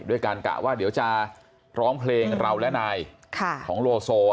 ด้วยการกะว่าเดี๋ยวจะร้องเพลงเราและนายของโลโซ